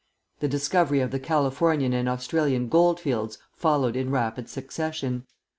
The discovery of the Californian and Australian gold fields followed in rapid succession.